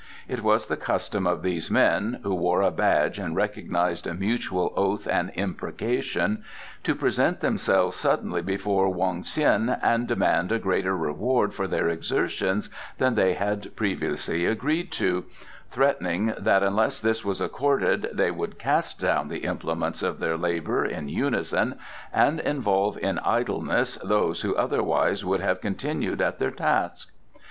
It was the custom of these men, who wore a badge and recognized a mutual oath and imprecation, to present themselves suddenly before Wong Ts'in and demand a greater reward for their exertions than they had previously agreed to, threatening that unless this was accorded they would cast down the implements of their labour in unison and involve in idleness those who otherwise would have continued at their task.